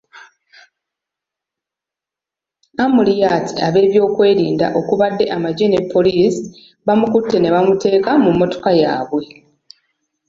Amuriat ab'ebyokwerinda okubadde amagye ne poliisi bamukutte ne bamuteeka mu mmotoka yaabwe.